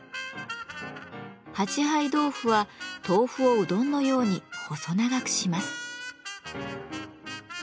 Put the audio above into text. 「八杯豆腐」は豆腐をうどんのように細長くします。